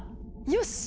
よし！